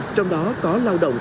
trong đó có lao động